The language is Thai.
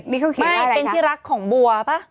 ไม่เป็นที่รักของบัวป่ะ